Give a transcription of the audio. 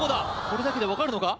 これだけで分かるのか？